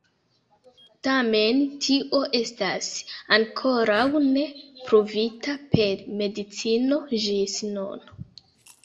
Tamen tio estas ankoraŭ ne pruvita per medicino ĝis nun.